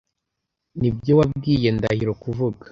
Nibyo wabwiye Ndahiro kuvuga?